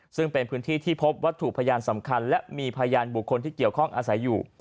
ซึ่งเป็นพื้นที่ที่พบวัตถุพยานสำคัญและมีพยานบุคคลที่เกี่ยวข้องอาศัยอยู่